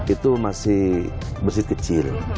itu masih bersih kecil